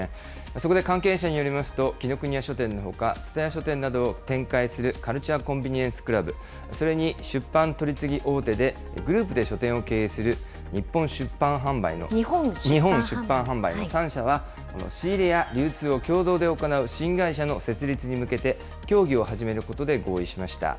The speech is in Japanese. そこで関係者によりますと、紀伊國屋書店のほか蔦屋書店などを展開するカルチュア・コンビニエンス・クラブ、それに出版取り次ぎ大手でグループで書店を経営する日本出版販売の３社が、仕入れや流通を共同で行う新会社の設立に向けて、協議を始めることで合意しました。